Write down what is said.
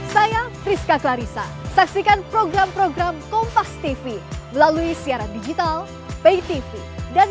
saya priska clarissa saksikan program program kompas tv melalui siaran digital pay tv dan